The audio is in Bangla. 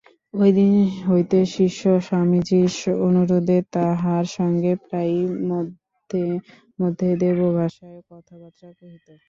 ঐদিন হইতে শিষ্য স্বামীজীর অনুরোধে তাঁহার সঙ্গে প্রায়ই মধ্যে মধ্যে দেবভাষায় কথাবার্তা কহিত।